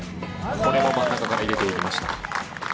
これも真ん中から入れていきました。